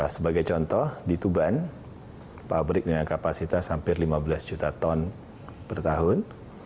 sebagai contoh di tuban pabrik dengan kapasitas hampir lima belas juta ton per tahun